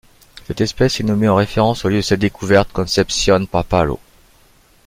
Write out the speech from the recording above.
Cette espèce est nommée en référence au lieu de sa découverte, Concepción Pápalo.